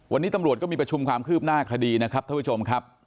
วันนี้ตำรวจก็มีประชุมความคืบหน้าคดีนะครับท่านผู้ชมครับ